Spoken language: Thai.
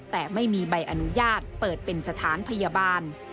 แต่ไม่มีใบอนุญาตเปิดเป็นสถานพยาบาล